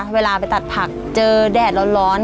เวลาไปตัดผักเจอแดดร้อน